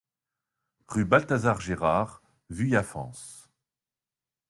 Rue Balthazar Gérard, Vuillafans